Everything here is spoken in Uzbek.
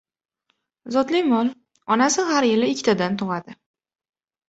— Zotli mol, onasi har yili ikkitadan tug‘adi.